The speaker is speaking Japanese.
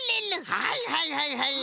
はいはいはいはい。